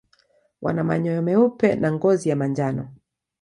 Wana manyoya meupe na ngozi ya manjano.